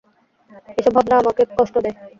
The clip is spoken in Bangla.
এসব ভাবনা আমাকে কষ্ট দেয়।